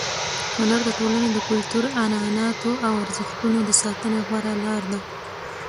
هنر د ټولنې د کلتور، عنعناتو او ارزښتونو د ساتنې غوره لار ده.